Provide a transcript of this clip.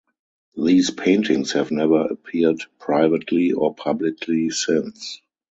These paintings have never appeared privately or publicly since.